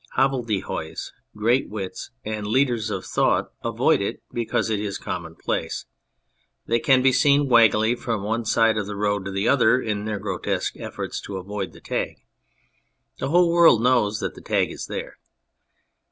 Hobbledehoys, great wits, and leaders of thought avoid it because it is commonplace. They can be seen waggling from one side of the road to the other in their grotesque efforts to avoid the tag. The Avhole world knows that the tag is there.